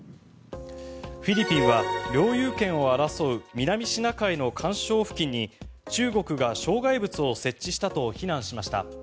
フィリピンは領有権を争う南シナ海の環礁付近に中国が障害物を設置したと非難しました。